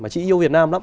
mà chị yêu việt nam lắm